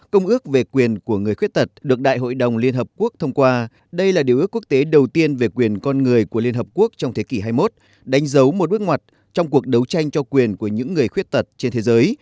công ước về quyền của người khuyết tật được đại hội đồng liên hợp quốc thông qua đây là điều ước quốc tế đầu tiên về quyền con người của liên hợp quốc trong thế kỷ hai mươi một đánh dấu một bước ngoặt trong cuộc đấu tranh cho quyền của những người khuyết tật trên thế giới